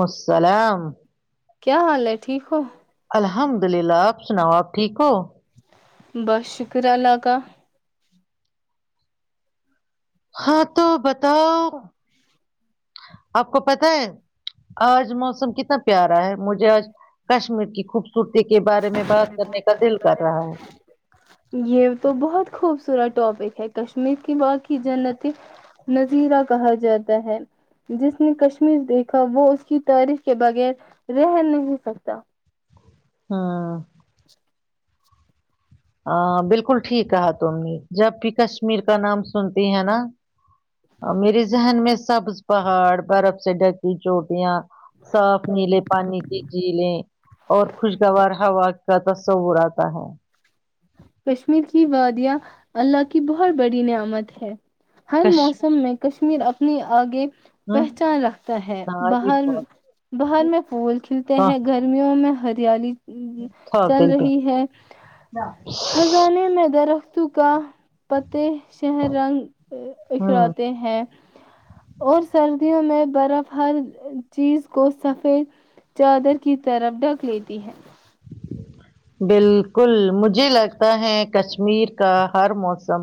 مسلام کیا حال ہے ٹھیک ہو الحمد للہ آپ سناؤ آپ ٹھیک ہو بس شکر اللہ کا ہاں تو بتاؤ آپ کو پتا ہے آج موسم کتنا پیارا ہے مجھے آج کشمیر کی خوب کر رہا ہے یہ تو بہت خوب سرا ٹاپک ہے کشمیر کی واقعی جنت نظیرہ کہا جاتا ہے جس نے کشمیر دیکھا وہ اس کی تاریخ کے بغیر رہ نہیں سکتا ہاں [inaudible] ا بالکل ٹھیک کہا تم نے جب بھی کشمیر کا نام سنتی ہے نا میرے ذہن میں سبز پہاڑ برف سے ڈکی چوٹیاں صاف نیلے پانی کی جیلیں اور خوشگوار ہوا کا س ہو رہاتا ہے کشمیر کی وادیاں اللہ کی بہت بڑی نعمت ہے ہر کش موسم میں کشمیر اپنی آگے ہ پہچان رکھتا ہے ہاں جی باہر باہر میں پھول کھلتے بہت ہیں گرمیوں میں ہریالی چل قاتل پہ رہی ہے خزانے میں درختوں کا پتے شہر رنگ ہوں اکھراتے ہیں اور سردیوں میں برف ہر چیز کو سفید چادر کی طرف ڈھک لیتی ہے بالکل مجھے لگتا ہے کشمیر کا ہر موسم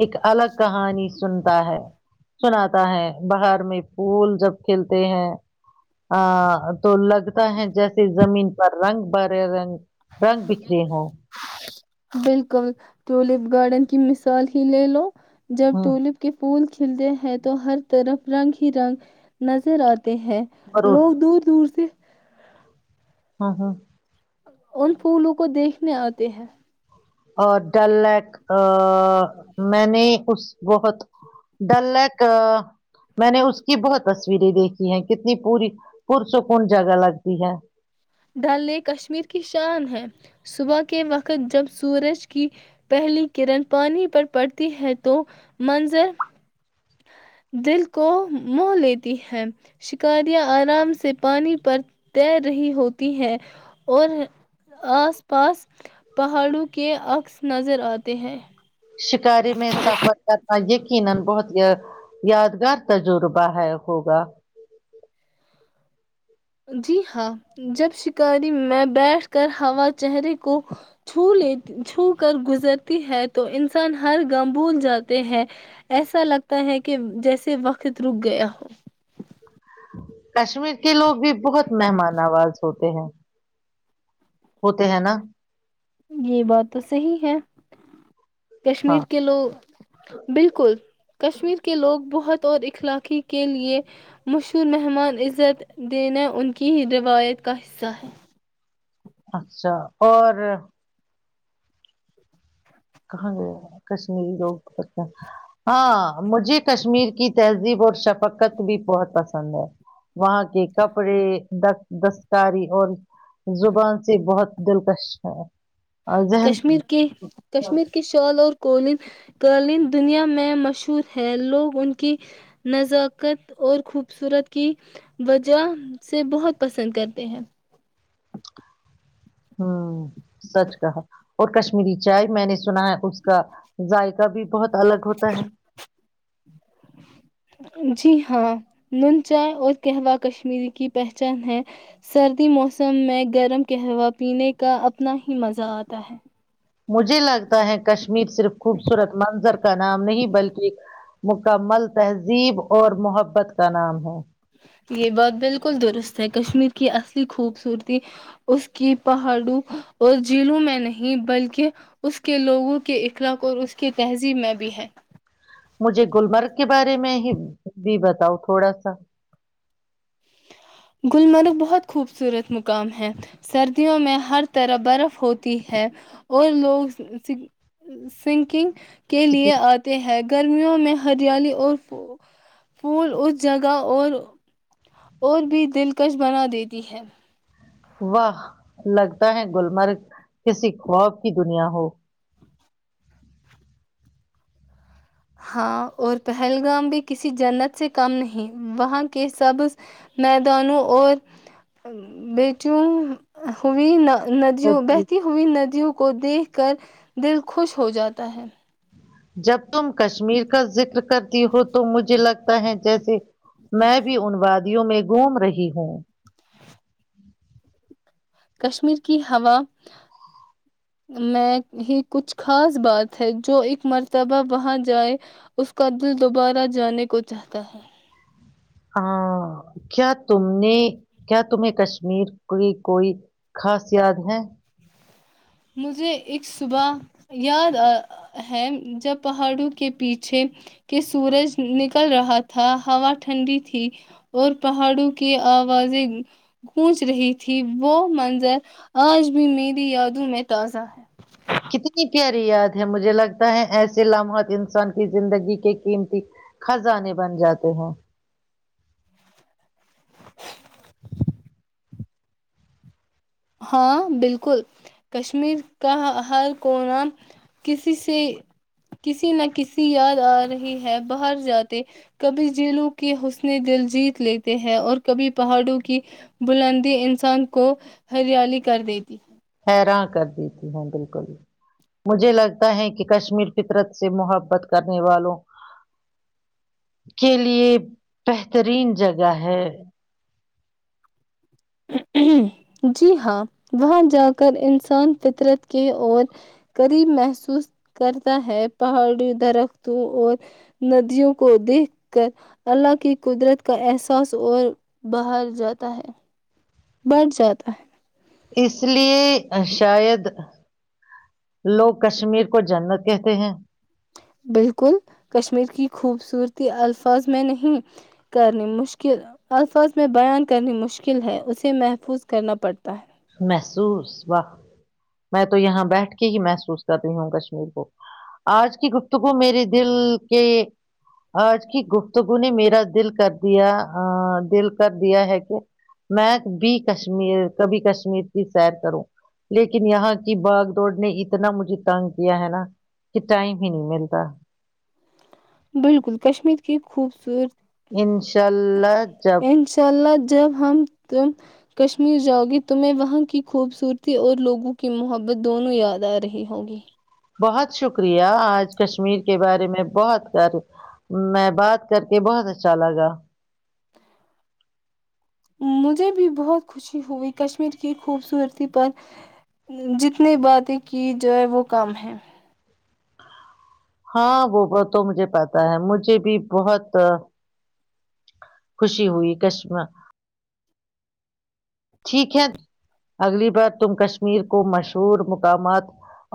ایک الگ کہانی سنتا ہے سناتا ہے باہر میں پھول جب کھلتے ہیں ا تو لگتا ہے جیسے زمین پر رنگ برے رنگ رنگ بکھرے ہو بالکل ٹیولپ گارڈن کی مثال ہی لے لو جب ہوں ٹولپ کے پھول کلتے ہیں تو ہر طرف رنگ ہی رنگ نظر آتے ہیں برود لوگ دور دور سے ہاں ہاں ان پھولوں کو دیکھنے آتے ہیں اور ڈل لیک ا میں نے اس بہت ڈل لیک میں نے اس کی بہت تصویریں دیکھی ہیں کتنی پوری پرسکون جگہ لگتی ہے ڈل ل کشمیر کی شان ہے صبح کے وقت جب سورج کی پہلی کرن پانی پر پڑتی ہے تو منظر دل کو مونہ لیتی ہیں شکاریاں آرام سے پانی پر تیر رہی ہوتی ہیں اور آس پاس پہاڑوں کے عکس نظر آتے ہیں شکاری میں سفر کرنا یہ [unintelligible] جی ہاں جب شکاری میں بیٹھ کر ہوا چہرے کو چھو کر گزرتی ہے تو انسان ہر گاہ بھول جاتے ہیں ایسا لگتا ہے کہ جیسے وقت رک گیا ہو کشمیر کے لوگ بھی بہت مہمان آواز ہوتے ہیں ہوتے ہیں نا یہ بات تو صحیح ہے کشمیر ہاں کے لوگ بالکل کشمیر کے لوگ بہت اور اخلاقی کے لیئے مشہور مہمان عزت دینا ان کی روایت کا حصہ ہے اچھا اور کہاں گیا کشمیری لوگ ہاں مجھے کشمیر کی تہذیب اور شفقت بھی بہت پسند ہے وہاں کے کپڑے دستکاری اور زبان سے بہت دلکش ہے اور ذن کشمیر کے کشمیر کی شال اور کولن کلن دنیا میں مشہور ہے لوگ ان کی نزاکت اور خوبصورت کی وجہ سے بہت پسند کرتے ہیں ہوں سچ کہا اور کشمیری چائے میں نے سنا ہے اس کا ذائقہ بھی بہت الگ ہوتا ہے [unintelligible] جی ہاں نون چائے اور قہوہ کشمییر کی پہچان ہے سردی موسم میں گرم قہوہ پینے کا اپنا ہی مزہ آتا ہے مجھے لگتا ہے کش کشمیر صرف خوبصورت منظر کا نام نہیں بلکہ مکمل تہذیب اور محبت کا نام ہے بل کو دور ہے کشمیر، کی اصل۔ خوبصورتی اسکی پہاڑو یا جلو میں نہیں بل دو۔ کے اسے لوگو، کے اکنا کو۔ اسکے تہی میں بھی ہے مجھے گللمرگ کے بارے میں ہی بھی بتاؤ تھوڑا سا گلمرگ بہت خوبصورت مقام ہے سردیوں میں ہر طرح برف ہوتی ہے اور لوگ سنکنگ کے کہ لیے آتے ہیں گرمیوں میں ہریالی اور پھول اس جگہ اور اور بھی دلکش بنا دیتی ہے واہ لگتا ہے گلمرگ کسی خواب کی دنیا ہو ہاں اور پہلگام بھی کسی جنت سے کم نہیں وہاں کے سبز میدانوں اور بیچوں ہوئی نہ ندیوں بہتی ہوئی ندیوں کو دیکھ کر دل خوش ہو جاتا ہے جب تم کشمیر کا ذکر کرتی ہو تو مجھے لگتا ہیں جیسے میں بھی ان وادیوں میں گھوم رہی ہوں کشمیر کی ہوا میں ہی کچھ خاص بات ہے جو ایک مرتبہ وہاں جائے اس کا دل دوبارہ جانے کو چاہتا ہے کیا تم نے کیا تمہیں کشمیر کی کوئی خاص یاد ہے مجھے ایک صبح یاد آ ہے جب پہاڑوں کے پیچھے کے سورج نکل رہا تھا ہوا ٹھنڈی تھی اور پہاڑوں کی آوازیں گونچ رہی تھی وہ منظر آج بھی میری یادوں میں تازہ ہے [inaudible] کتنی پیاری یاد ہے مجھے لگتا ہے ایسے لمحات انسان کی زندگی کے قیمتی خزانے بن جاتے ہیں ہاں بالکل کشمیر کا ہر کونا کسی سے کسی نہ کسی یاد آ رہی ہے باہر جاتے کبھی جیلوں کے حسنی دل جیت لیتے ہے اور کبھی پہاڑوں کی بلندی انسان کو ہریالی کر دی تھی یر کر دیتی ہ بالکل مجھے لگتا ہے کہ کشمیر فطرت سے محبت کرنے والوں کے لیے بہترین جگہ ہے جی ہاں وہاں جا کر انسان فطرت کے اور قریب محسوس کرتا ہے پہاڑی درختوں اور ندیوں کو دیکھ کر اللہ کی قدرت کا احساس اور باہر جاتا ہے بڑ زیادہ اس لیے شاید لوگ کشمیر کو جنت کہتے ہیں بالکل کشمیر کی خوبصورتی الفاظ میں نہیں کرنی مشکل الفاظ میں بیان کرنی مشکل ہے اسے محفوظ کرنا پڑتا ہے محسوس واہ میں تو یہاں بیٹھ کے ہی محسوس کر رہی ہوں کشمیر کو آج کی گفتگو میرے دل کے آج کی گفتگو نے میرا دل کر دیا دل کر دیا ہے کہ میں بھی کشمیر کبھی کش کی سیر کروں لیکن یہاں کی باغ دوڑ نے اتنا مجھے تنگ کیا ہے نا کہ ٹائم ہی نہیں ملتا بالکل کشمیر کی خوبصورت انشاء اللہ جب انشاء اللہ جب ہم تم کشمیر جاؤ گی تمہیں وہاں کی خوبصورتی اور لوگوں کی محبت دونوں یاد آ رہی ہوگی بہت شکریہ آج کشمیر کے بارے میں بہت کر میں بات کر کے بہت اچھا لگا مجھے بھی بہت خوشی ہوئی کشمیر کی خوبصورتی پر جتنی باتیں کی جائے وہ کم ہے ہاں وہ تو مجھے پتا ہے مجھے بھی بہت خوشی ہوئی کشمہ ٹھیک ہے اگلی بار تم کشمیر کو مشہور مقامات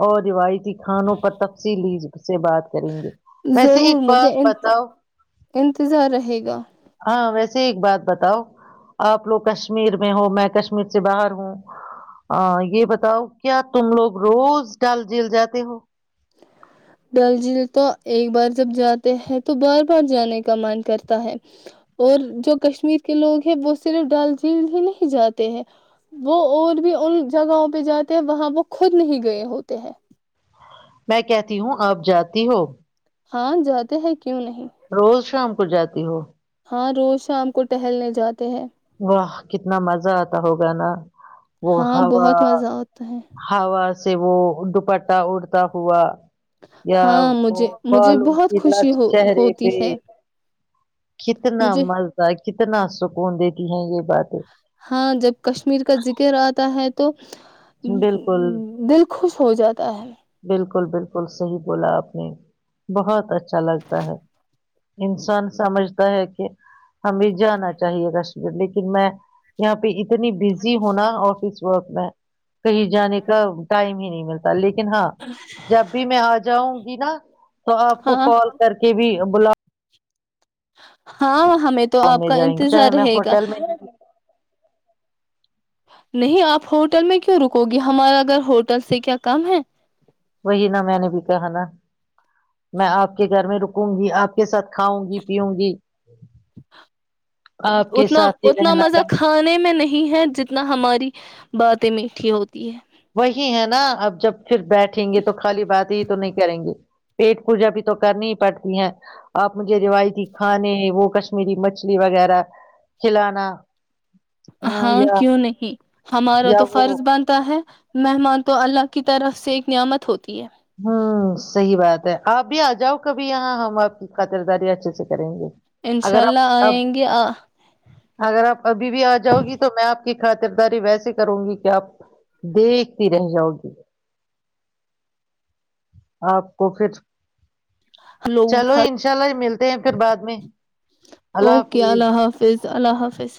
اور روایتی کھانوں پر تفصیل لی سے بات کریں گے ویسے ایک ضرور مجھے بات بتاؤ انتظار رہے گا ہاں ویسے ایک بات بتاؤ آپ لوگ کشمیر میں ہو میں کشمیر سے باہر ہوں یہ بتاؤ کیا تم لوگ روز ڈال جیل جاتے ہو ڈل جھیل تو ایک بار جب جاتے ہیں تو بار بار جانے کا من کرتا ہے اور جو کشمیر کے لوگ ہیں وہ صرف ڈل جھیل ہی نہیں جاتے ہیں وہ اور بھی ان جگہوں پہ جاتے ہیں وہاں وہ خود نہیں گئے ہوتے ہیں میں کہتی ہوں آپ جاتی ہو ہاں جاتے ہیں کیوں نہیں روز شام کو جاتی ہو ہاں روز شام کو ٹہلنے جاتے ہیں واہ کتنا مزہ آتا ہوگا نا وہ ہاں ہا بہت مزہ آتا ہے ہا سے وہ دوپٹہ اڑتا ہوا یا ہاں وہ مجھے مجھے پالوں بہت کی لٹ خوشی ہو چرے ہوتی پہ ہے کتنا مجھے مزتا کتنا سکون دیتی ہے یہ باتیں ہاں جب کشمیر کا ذکر آتا ہے تو بالکل دل خوش ہو جاتا ہے بالکل بالکل صحیح بولا آپ نے بہت اچھا لگتا ہے انسان سمجھتا ہے کہ ہمیں جانا چاہیے کشمیر لیکن میں یہاں پہ اتنی بزی ہونا اورفس میں وقت میں کہیں جانے کا ٹائم ہی نہیں ملتا لیکن جب بھی میں آ جاؤں گی نا تو آپ کو ہاں کال کر کے بھی بلا ہاں ہمیں تو ہم آپ کا جائیں گے انتظار چاہے میں رہے گا ہوٹل میں نہیں آپ ہوٹل میں کیوں رکو گے ہمارا گھر ہوٹل سے کیا کم ہے وہی نہ میں نے بھی کہا نہ میں آپ کے گھر میں رکوں گی آپ کے ساتھ کھاؤں گی پیوں گی آپ کے اتنا ساتھ ہی اتنا رہنا مزہ تھا کھانے میں نہیں ہے جتنا ہماری باتیں میٹھی ہوتی ہے وہی ہے نہ اب جب پھر بیٹھیں گے تو خالی بات ہی تو نہیں کریں گے پیٹ پوجا بھی تو کرنی ہی پڑتی ہیں آپ مجھے روایتی کھانے وہ کشمیری مچھلی وغیرہ کھلانا ہاں کیوں نہیں ہمارا یا تو وہ فرض بنتا ہے مہمان تو اللہ کی طرف سے ایک نعمت ہوتی ہے ہممم صحیح بات ہے آپ بھی آ جاؤ کبھی یہاں ہم آپ کی خاطرداری اچھے سے کریں گے انشاء اگر اللہ آپ اب آئیں گے اگر آپ ابھی بھی آ جاؤ گی تو میں آپ کی خاطرداری ویسیے کروں گی کہ آپ دیکھتی رہ جاؤ گی آپ کو پھر ہلو چلو انشاء اللہ ملتے ہیں پھر بعد میں اللہ اوکے حافظ اللہ حافظ اللہ حافظ